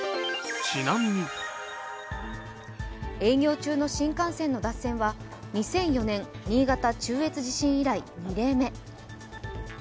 営業中の新幹線の脱線は、２００４年新潟中越地震以来２例目。